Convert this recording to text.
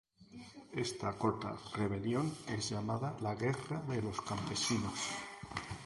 Esta corta rebelión es llamada la Guerra de los campesinos.